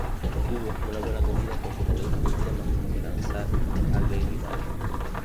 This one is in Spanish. Tuvo una buena acogida por su novedoso sistema de lanzar al Baby Mario.